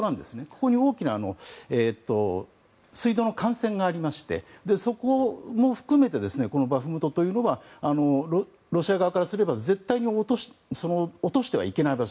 ここに大きな水道の幹線がありましてそこも含めてバフムトというのはロシア側からすると絶対に落としてはいけない場所。